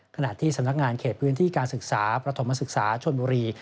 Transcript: ขณะที่สำนักงานเขตพื้นที่การศึกษาประถมศึกษาชนบุรี